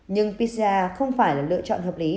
nhưng pcr không phải là lựa chọn hợp lý